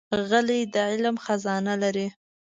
غلی، د علم خزانه لري.